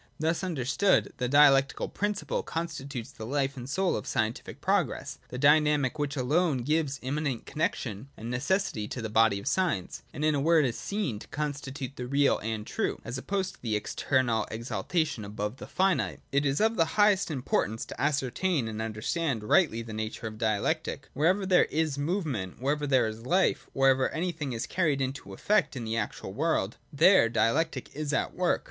Thus understood the Dialectical principle constitutes the life and soul of scientific progress, the dynamic which alone gives immanent connexion and necessity to the body of science ; and, in a word, is seen L 2 148 LOGIC DEFINED AND DIVIDED. [81. to constitute the real and true, as opposed to the ex ternal, exaltation above the finite. (i) It is of the highest importance to ascertain and under stand rightly the nature of Dialectic. Wherever there is movement, wherever there is life, wherever anything is carried into effect in the actual world, there Dialectic is at work.